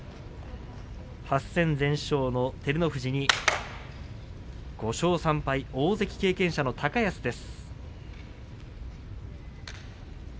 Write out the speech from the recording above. ８戦全勝の照ノ富士に５勝３敗大関経験者の高安です。